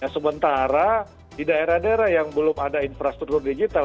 sementara di daerah daerah yang belum ada infrastruktur digital